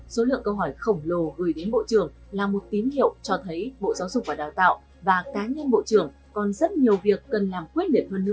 số lượng câu hỏi khổng lồ gửi đến bộ trưởng là một tín hiệu cho thấy bộ giáo dục và đào tạo và cá nhân bộ trưởng còn rất nhiều việc cần làm quyết liệt